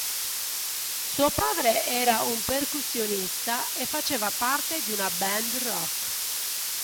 Suo padre era un percussionista e faceva parte di una band rock.